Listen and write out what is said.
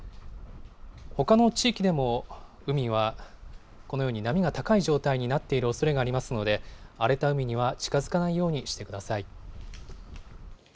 ほかの地域でも、海はこのように波が高い状態になっているおそれがありますので、荒れた海には近づかないようにしてください。